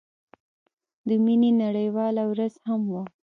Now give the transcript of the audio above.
د مينې نړيواله ورځ هم وه.